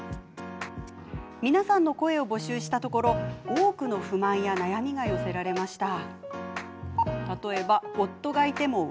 皆さんの声を募集したところ多くの不満や悩みが寄せられました。